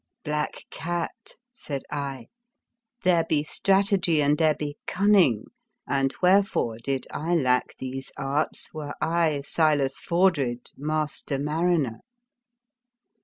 " Black cat,' said I, " there be strategy and there be cunning, and 26 The Fearsome Island wherefore, did I lack these arts, were I, Silas Fordred, master mariner?"